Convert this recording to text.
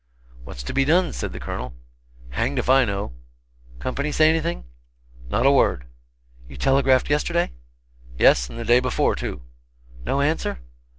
"What's to be done?" said the Colonel. "Hang'd if I know." "Company say anything?" "Not a word." "You telegraphed yesterday?" "Yes, and the day before, too." "No answer?"